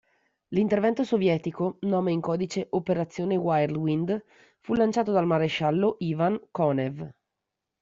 L'intervento sovietico, nome in codice "Operazione Whirlwind", fu lanciato dal maresciallo Ivan Konev.